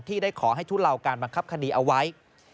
ได้ขอให้ทุเลาการบังคับคดีเอาไว้